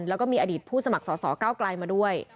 แล้วก็มีอดีตผู้สมัครสอสอก้าวไกลมาด้วย